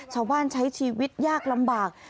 ชาวบ้านใช้ชีวิตยากลำบาก